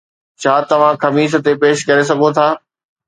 ڇا توهان خميس تي پيش ڪري سگهو ٿا؟